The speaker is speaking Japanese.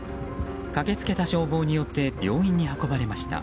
駆け付けた消防によって病院に運ばれました。